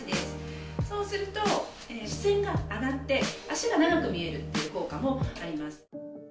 そうすると視線が上がって脚が長く見えるっていう効果もあります。